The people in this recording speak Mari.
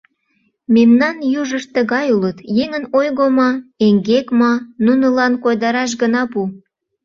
Мемнан южышт тыгай улыт: еҥын ойго ма, эҥгек ма — нунылан койдараш гына пу.